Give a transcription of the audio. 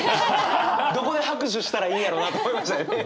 どこで拍手したらいいんやろうなと思いましたよね。